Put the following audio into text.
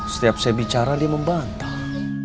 setiap saya bicara dia membantah